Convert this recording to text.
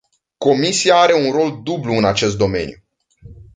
Comisia are un rol dublu în acest domeniu.